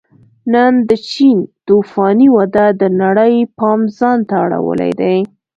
نن د چین توفاني وده د نړۍ پام ځان ته اړولی دی